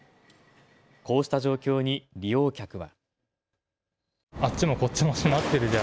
こうした状況に利用客は。